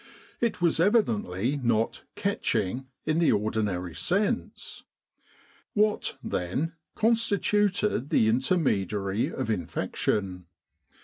It was evidently not "catching" in the ordinary sense. What, then, constituted the intermediary of infection